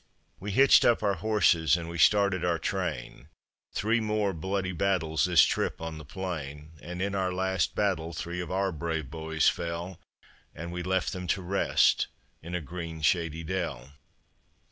We hitched up our horses and we started our train; Three more bloody battles this trip on the plain; And in our last battle three of our brave boys fell, And we left them to rest in a green, shady dell.